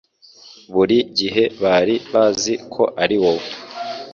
Buri gihe bari bazi ko ariwowe.